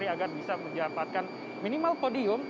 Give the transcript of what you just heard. agar bisa mendapatkan minimal podium